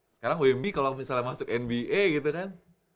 sekarang wmb kalau misalnya masuk nba gitu kan